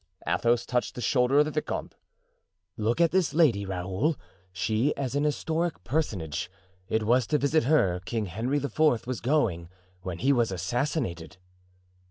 Athos touched the shoulder of the vicomte. "Look at this lady, Raoul, she is an historic personage; it was to visit her King Henry IV. was going when he was assassinated."